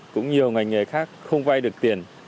cũng nhiều ngành nghề khác không vai được tiền